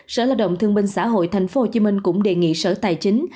sở lao động thương minh xã hội thành phố hồ chí minh cũng đề nghị sở tài chính